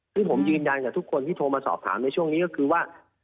ซึ่งผมยืนยันกับทุกคนที่โทรมาสอบถามในช่วงนี้ก็คือว่า